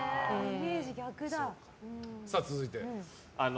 続いて。